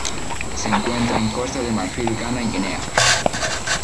Se encuentra en Costa de Marfil Ghana y Guinea.